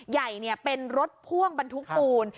ใหญ่เป็นรถพ่วงบรรทุกปูน